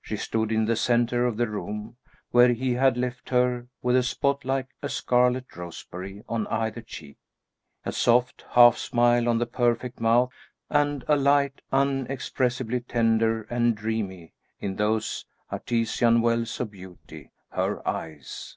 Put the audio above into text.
She stood in the centre of the room, where he had left her, with a spot like a scarlet roseberry on either cheek; a soft half smile on the perfect mouth, and a light unexpressibly tender and dreamy, in those artesian wells of beauty her eyes.